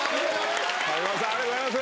上沼さんありがとうございます。